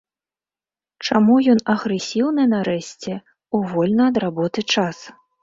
Чаму ён агрэсіўны, нарэшце, у вольны ад работы час?